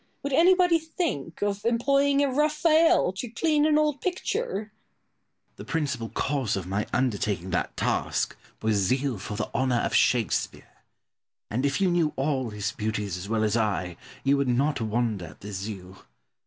Would anybody think of employing a Raphael to clean an old picture? Pope. The principal cause of my undertaking that task was zeal for the honour of Shakespeare; and, if you knew all his beauties as well as I, you would not wonder at this zeal.